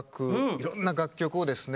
いろんな楽曲をですね